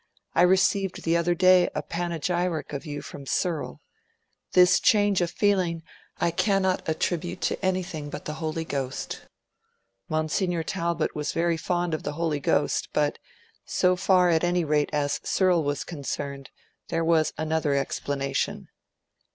'I received the other day a panegyric of you from Searle. This change of feeling I cannot attribute to anything but the Holy Ghost.' Monsignor Talbot was very fond of the Holy Ghost; but, so far, at any rate as Searle was concerned, there was another explanation.